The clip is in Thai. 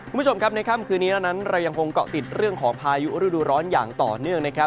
คุณผู้ชมครับในค่ำคืนนี้นั้นเรายังคงเกาะติดเรื่องของพายุฤดูร้อนอย่างต่อเนื่องนะครับ